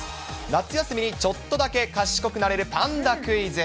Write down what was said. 夏休みにちょっとだけ賢くなれるパンダクイズ。